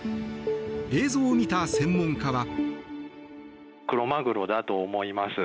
映像を見た専門家は。